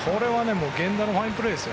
もう源田のファインプレーですよ。